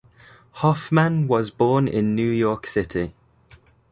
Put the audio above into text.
Hoffman was born in New York City.